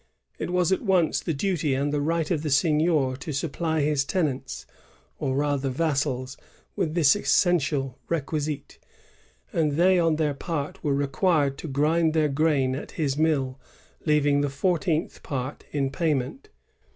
It was at once the duty and the right of the seignior to supply his tenants, or rather vassals, with this essential requisite ; and they on their part were required to grind their grain at his mill, leaving the fourteenth part in payment.